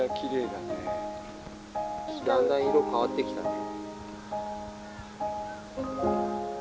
だんだん色変わってきたね。